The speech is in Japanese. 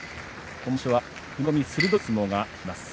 今場所は踏み込み鋭い相撲が光ります。